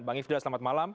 bang ifdal selamat malam